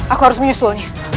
aku harus menyusulnya